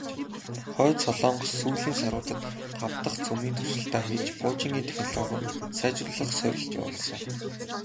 Хойд Солонгос сүүлийн саруудад тав дахь цөмийн туршилтаа хийж, пуужингийн технологио сайжруулах сорилт явуулсан.